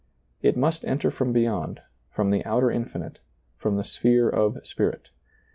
It must enter from beyond, from the outer infinite, from the sphere of spirit.